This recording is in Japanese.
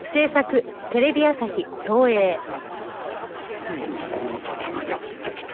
ついにこの時がやって来た。